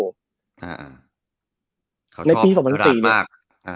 เขาชอบราดมาก